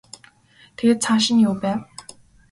Тэгээд цааш нь юу байв?